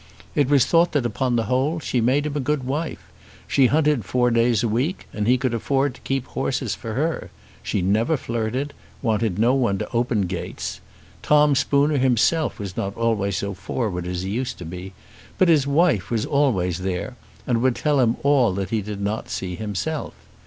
It was thought that upon the whole she made him a good wife. She hunted four days a week, and he could afford to keep horses for her. She never flirted, and wanted no one to open gates. Tom Spooner himself was not always so forward as he used to be; but his wife was always there and would tell him all that he did not see himself.